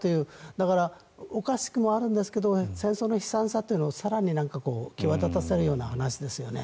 だからおかしくもあるんですけど戦争の悲惨さというのを更に際立たせるような話ですよね。